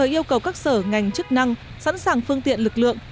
đồng thời yêu cầu các sở ngành chức năng sẵn sàng phương tiện lực lượng